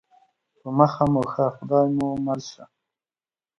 په مخه مو ښه خدای مو مل شه